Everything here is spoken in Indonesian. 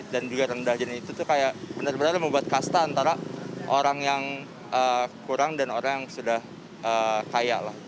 dan juga rendah jenis itu tuh kayak bener bener membuat kasta antara orang yang kurang dan orang yang sudah kaya lah